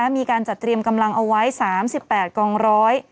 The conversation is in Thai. มีการจัดเตรียมกำลังเอาไว้๓๘กองร้อย